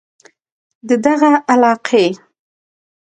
د دغه علاقې